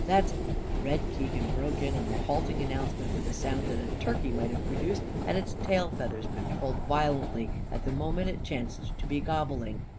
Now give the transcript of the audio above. That's " Red Keegan broke in on the halting announcement with a sound that a turkey might have produced had its tail feathers been pulled violently at the moment it chanced to be gobbling.